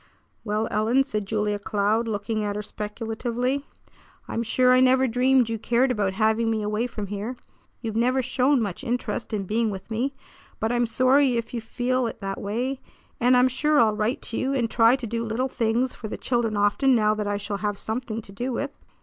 "Well, Ellen," said Julia Cloud, looking at her speculatively, "I'm sure I never dreamed you cared about having me away from here. You've never shown much interest in being with me. But I'm sorry if you feel it that way, and I'm sure I'll write to you and try to do little things for the children often, now that I shall have something to do with."